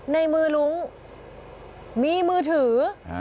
ในมือลุงมีมือถือ